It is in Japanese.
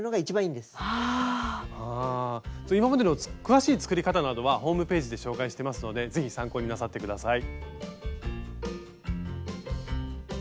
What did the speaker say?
今までの詳しい作り方などはホームページで紹介してますのでぜひ参考になさって下さい。